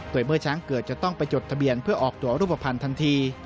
โดยเมื่อช้างเกิดจะต้องไปจดทะเบียนเพื่อออกตัวรูปภัณฑ์ทันที